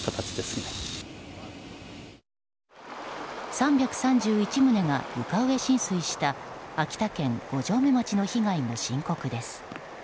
３３１棟が床上浸水した秋田県五城目町の被害も深刻です。